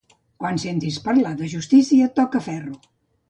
Quan sentis parlar de justícia toca ferro.